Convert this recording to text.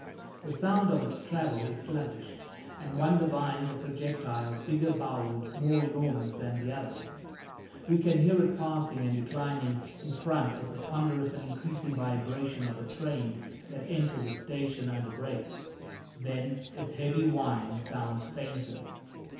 The sound of its travel is sluggish, and one divines a projectile bigger boweled, more enormous than the others. We can hear it passing and declining in front with the ponderous and increasing vibration of a train that enters a station under brakes; then, its heavy whine sounds fainter.